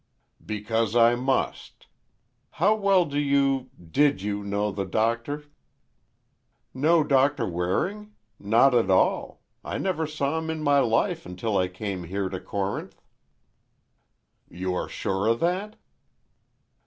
"Because I must. How well do you—did you know the Doctor?" "Know Doctor Waring? Not at all. I never saw him in my life until I came here to Corinth." "You are sure of that?"